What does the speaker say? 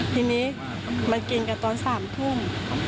ทีนี้มันกินกันตอน๓ทุ่ม